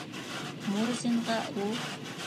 Мурзинға ул: